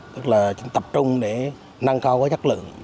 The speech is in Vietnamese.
tức là tập trung để năng cao các chất lượng